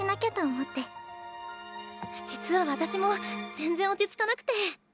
実は私も全然落ち着かなくて。